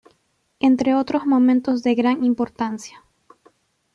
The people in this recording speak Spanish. Entre otros momentos de gran importancia.